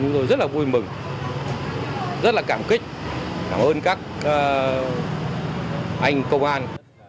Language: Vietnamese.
tôi rất là vui mừng rất là cảm kích cảm ơn các anh công an